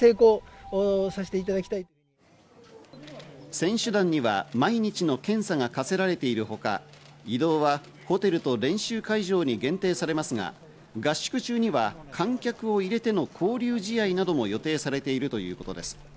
選手団には毎日の検査が課せられているほか、移動はホテルと練習会場に限定されますが、合宿中には観客を入れての交流試合なども予定されているということです。